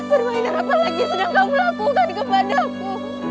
berbaiknya apa lagi yang sedang kamu lakukan kepadaku